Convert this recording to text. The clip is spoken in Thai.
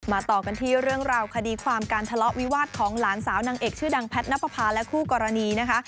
ต่อกันที่เรื่องราวคดีความการทะเลาะวิวาสของหลานสาวนางเอกชื่อดังแพทย์นับประพาและคู่กรณีนะคะ